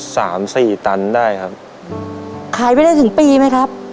สามสี่ตันได้ครับขายไปได้ถึงปีไหมครับ